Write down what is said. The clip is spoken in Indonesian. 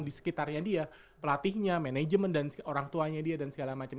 di sekitarnya dia pelatihnya manajemen dan orang tuanya dia dan segala macam